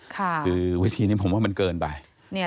คือวิธีนี้ผมว่ามันเกินไป